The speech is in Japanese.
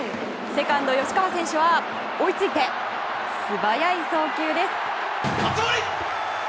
セカンド吉川選手は追いついて、素早い送球です。